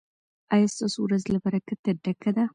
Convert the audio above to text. ایا ستاسو ورځ له برکته ډکه ده؟